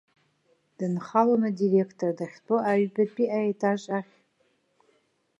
Дынхалон адиреқтор дахьтәоу аҩбатәи аетаж ахь.